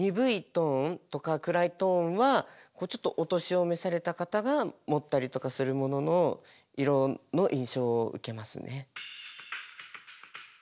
トーンとかくらいトーンはちょっとお年を召された方が持ったりとかするモノの色の印象を受けますね。